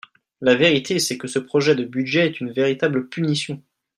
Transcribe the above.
La vérité, c’est que ce projet de budget est une véritable punition.